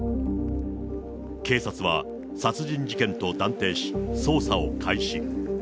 警察は、殺人事件と断定し、捜査を開始。